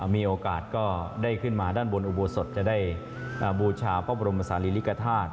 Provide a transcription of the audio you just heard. มีโอกาสก็ได้ขึ้นมาด้านบนอุโบสถจะได้บูชาพระบรมศาลีริกฐาตุ